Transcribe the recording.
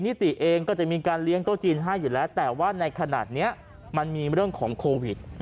นิติเองก็จะมีการเลี้ยงโต๊ะจีนให้อยู่แล้วแต่ว่าในขณะนี้มันมีเรื่องของโควิด